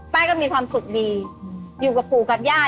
ก็มีความสุขดีอยู่กับปู่กับย่า